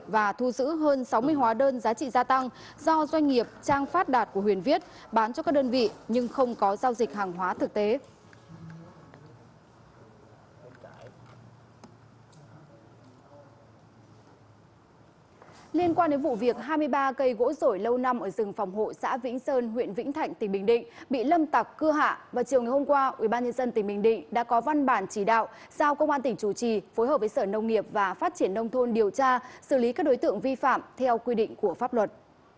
vào chiều ngày hôm qua ubnd tỉnh bình định đã có văn bản chỉ đạo giao công an tỉnh chủ trì phối hợp với sở nông nghiệp và phát triển nông thôn điều tra xử lý các đối tượng vi phạm theo quy định của pháp luật